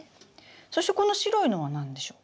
そしてこの白いのは何でしょう？